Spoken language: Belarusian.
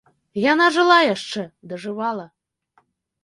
Яна жыла яшчэ, дажывала.